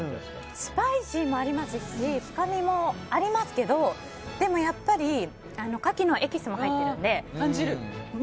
スパイシーもありますし深みもありますけどでもやっぱりカキのエキスも入ってるので。